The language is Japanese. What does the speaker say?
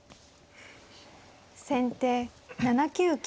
先手７九金。